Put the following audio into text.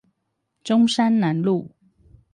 中山南路